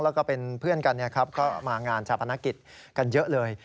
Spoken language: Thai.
แล้วก็เป็นเพื่อนกันก็มางานชาปนกิจกันเยอะเลย